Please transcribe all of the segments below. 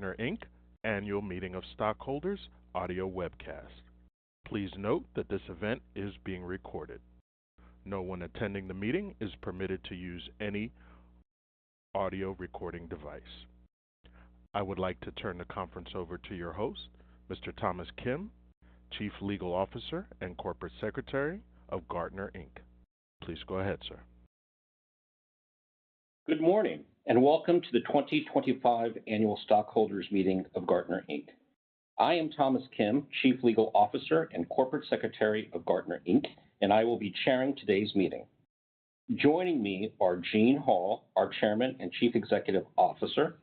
Gartner Annual Meeting of Stockholders audio webcast. Please note that this event is being recorded. No one attending the meeting is permitted to use any audio recording device. I would like to turn the conference over to your host, Mr. Thomas Kim, Chief Legal Officer and Corporate Secretary of Gartner Inc. Please go ahead, sir. Good morning and welcome to the 2025 Annual Stockholders Meeting of Gartner. I am Thomas Kim, Chief Legal Officer and Corporate Secretary of Gartner, and I will be chairing today's meeting. Joining me are Gene Hall, our Chairman and Chief Executive Officer;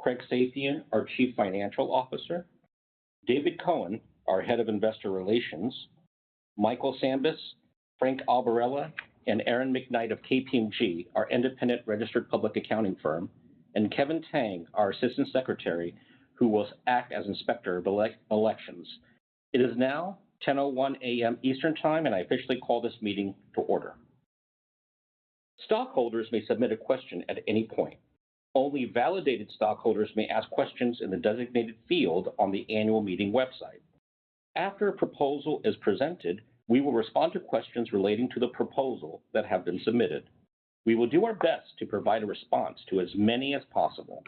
Craig Safian, our Chief Financial Officer; David Cohen, our Head of Investor Relations; Michael Sanvis, Frank Albarella, and Aaron McKnight of KPMG, our Independent Registered Public Accounting Firm; and Kevin Tang, our Assistant Secretary, who will act as Inspector of Elections. It is now 10:01 A.M. Eastern Time, and I officially call this meeting to order. Stockholders may submit a question at any point. Only validated stockholders may ask questions in the designated field on the annual meeting website. After a proposal is presented, we will respond to questions relating to the proposal that have been submitted. We will do our best to provide a response to as many as possible.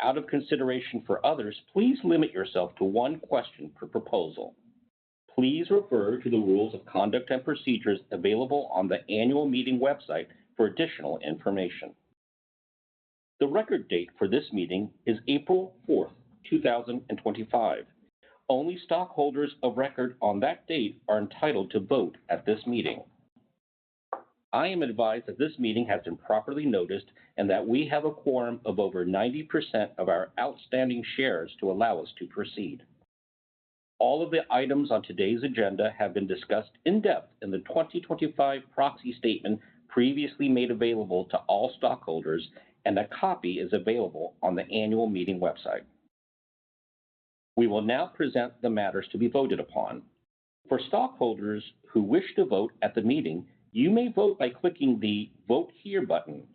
Out of consideration for others, please limit yourself to one question per proposal. Please refer to the Rules of Conduct and Procedures available on the annual meeting website for additional information. The record date for this meeting is April 4, 2025. Only stockholders of record on that date are entitled to vote at this meeting. I am advised that this meeting has been properly noticed and that we have a quorum of over 90% of our outstanding shares to allow us to proceed. All of the items on today's agenda have been discussed in depth in the 2025 Proxy Statement previously made available to all stockholders, and a copy is available on the annual meeting website. We will now present the matters to be voted upon. For stockholders who wish to vote at the meeting, you may vote by clicking the "Vote Here" button.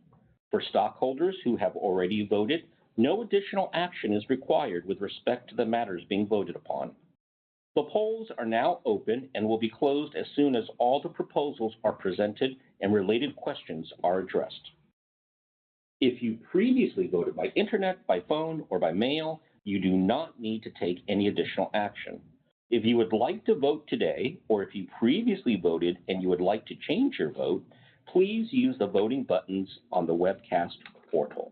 For stockholders who have already voted, no additional action is required with respect to the matters being voted upon. The polls are now open and will be closed as soon as all the proposals are presented and related questions are addressed. If you previously voted by internet, by phone, or by mail, you do not need to take any additional action. If you would like to vote today or if you previously voted and you would like to change your vote, please use the voting buttons on the webcast portal.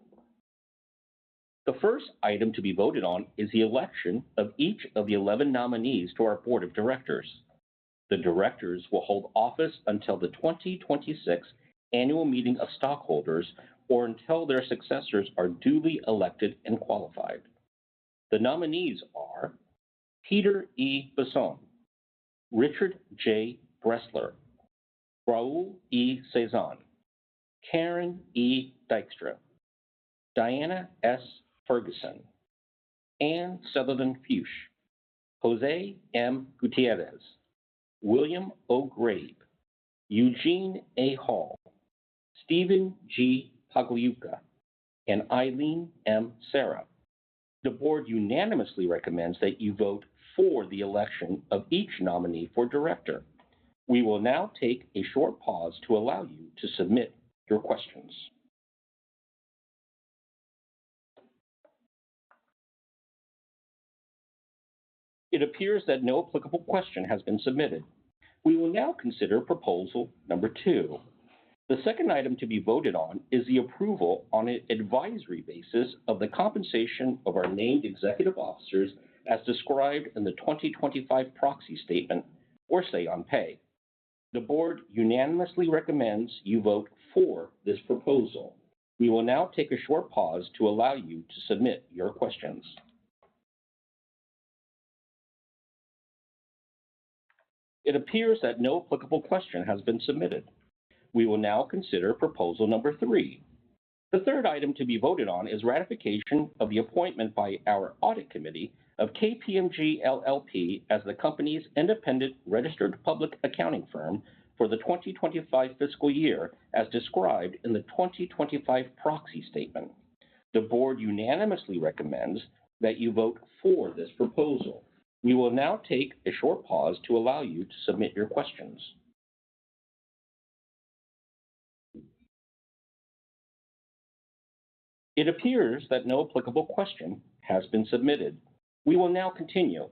The first item to be voted on is the election of each of the 11 nominees to our Board of Directors. The directors will hold office until the 2026 Annual Meeting of Stockholders or until their successors are duly elected and qualified. The nominees are Peter E. Besson, Richard J. Bressler, Raul E. Cesan, Karen E. Dykstra, Diana S. Ferguson, Anne Sutherland-Fuchs, Jose M. Gutierrez, William O. Grabe, Eugene A. Hall, Stephen G. Pagliuca, and Eileen M. Serra. The board unanimously recommends that you vote for the election of each nominee for director. We will now take a short pause to allow you to submit your questions. It appears that no applicable question has been submitted. We will now consider proposal number two. The second item to be voted on is the approval on an advisory basis of the compensation of our named executive officers as described in the 2025 Proxy Statement, or say-on-pay. The board unanimously recommends you vote for this proposal. We will now take a short pause to allow you to submit your questions. It appears that no applicable question has been submitted. We will now consider proposal number three. The third item to be voted on is ratification of the appointment by our Audit Committee of KPMG LLP as the company's Independent Registered Public Accounting Firm for the 2025 fiscal year as described in the 2025 Proxy Statement. The Board unanimously recommends that you vote for this proposal. We will now take a short pause to allow you to submit your questions. It appears that no applicable question has been submitted. We will now continue.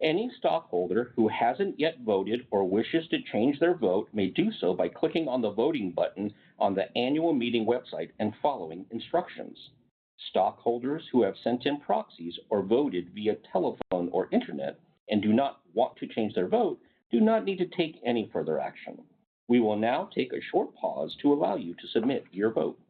Any stockholder who hasn't yet voted or wishes to change their vote may do so by clicking on the voting button on the annual meeting website and following instructions. Stockholders who have sent in proxies or voted via telephone or internet and do not want to change their vote do not need to take any further action. We will now take a short pause to allow you to submit your vote.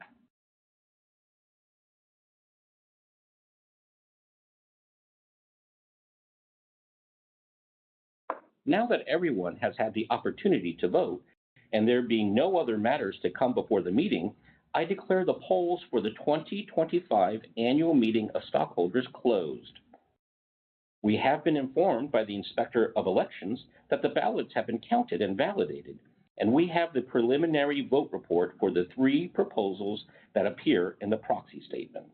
Now that everyone has had the opportunity to vote and there being no other matters to come before the meeting, I declare the polls for the 2025 Annual Meeting of Stockholders closed. We have been informed by the Inspector of Elections that the ballots have been counted and validated, and we have the preliminary vote report for the three proposals that appear in the Proxy Statement.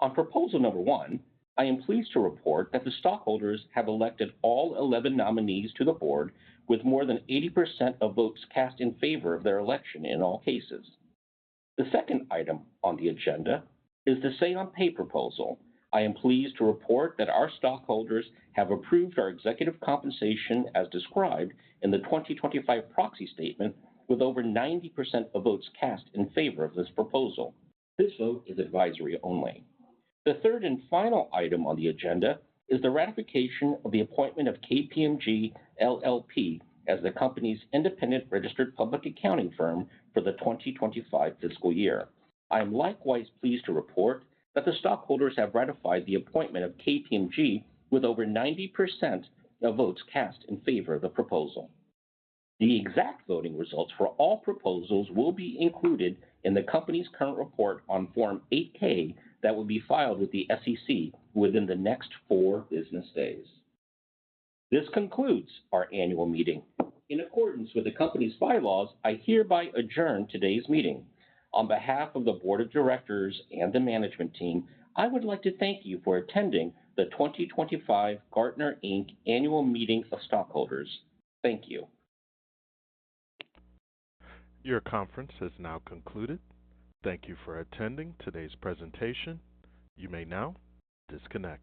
On proposal number one, I am pleased to report that the stockholders have elected all 11 nominees to the board with more than 80% of votes cast in favor of their election in all cases. The second item on the agenda is the say-on-pay proposal. I am pleased to report that our stockholders have approved our executive compensation as described in the 2025 Proxy Statement with over 90% of votes cast in favor of this proposal. This vote is advisory only. The third and final item on the agenda is the ratification of the appointment of KPMG LLP as the company's Independent Registered Public Accounting Firm for the 2025 fiscal year. I am likewise pleased to report that the stockholders have ratified the appointment of KPMG with over 90% of votes cast in favor of the proposal. The exact voting results for all proposals will be included in the company's current report on Form 8-K that will be filed with the SEC within the next four business days. This concludes our annual meeting. In accordance with the company's bylaws, I hereby adjourn today's meeting. On behalf of the Board of Directors and the Management Team, I would like to thank you for attending the 2025 Gartner Annual Meeting of Stockholders. Thank you. Your conference has now concluded. Thank you for attending today's presentation. You may now disconnect.